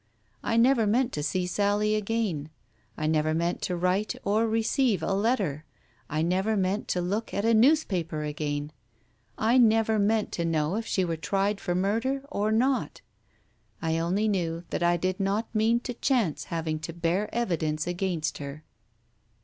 I never meant to see Sally again, I never meant to write or receive a letter; I never meant to look at a newspaper again ; I never meant to know if she were tried for murder or not. I only knew that I did not mean to chance having to bear evidence against her.